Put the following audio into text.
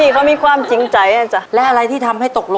เขาขอแล้วเราก็ฆ่ามา